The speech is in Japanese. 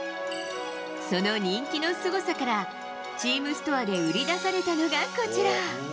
その人気のすごさから、チームストアで売り出されたのがこちら。